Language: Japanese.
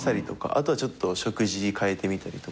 あとはちょっと食事変えてみたりとか。